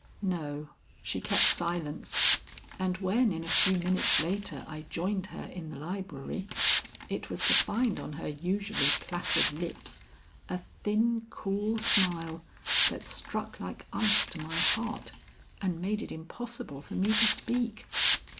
No, she kept silence, and when in a few minutes later I joined her in the library, it was to find on her usually placid lips, a thin cool smile that struck like ice to my heart, and made it impossible for me to speak.